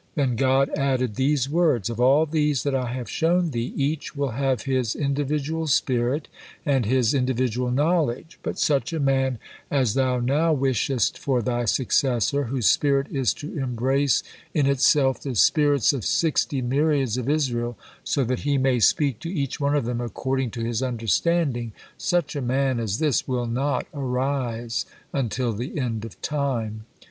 Then God added these words: "Of all these that I have shown thee, each will have his individual spirit and his individual knowledge, but such a man as thou now wishest for thy successor, whose spirit is to embrace in itself the spirits of sixty myriads of Israel, so that he may speak to each one of them according to his understanding, such a man as this will not arise until the end of time.